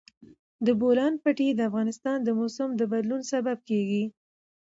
د بولان پټي د افغانستان د موسم د بدلون سبب کېږي.